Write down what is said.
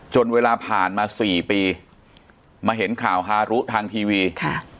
เวลาผ่านมาสี่ปีมาเห็นข่าวฮารุทางทีวีค่ะ